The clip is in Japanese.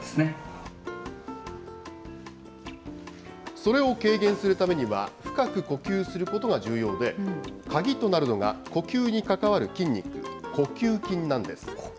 それを軽減するためには、深く呼吸することが重要で、鍵となるのは呼吸に関わる筋肉、呼吸筋なんです。